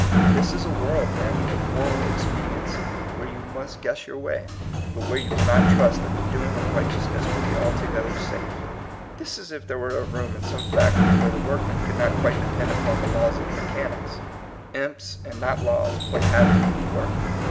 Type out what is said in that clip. This is a world, then, of moral expediency, where you must guess your way, but where you cannot trust that the doing of righteousness will be altogether safe. This is as if there were a room in some factory where the workman could not quite depend upon the laws of mechanics. Imps, and not laws, play havoc with the work.